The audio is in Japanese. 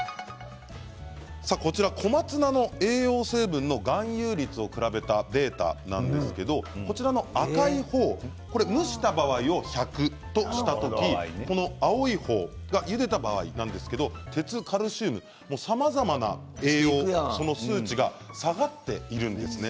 小松菜の栄養成分の含有率を比べたデータなんですけれど赤い方、蒸した場合を１００とした時、青い方がゆでた場合なんですが鉄やカルシウムさまざまな栄養素の数値が下がっているんです。